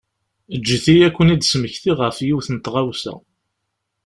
Eǧǧet-iyi ad ken-id-smektiɣ ɣef yiwet n tɣawsa.